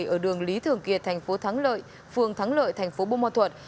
ở đường lý thường kiệt thành phố thắng lợi phường thắng lợi thành phố bô ma thuật